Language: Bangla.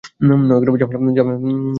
ঝামেলা বাধিও না।